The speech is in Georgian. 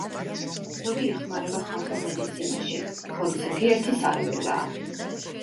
ზოგი იხმარება ხალხურ მედიცინაში, ხოლო, ზოგიერთი სარეველაა.